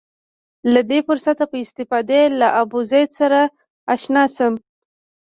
له دې فرصته په استفادې له ابوزید سره اشنا شم.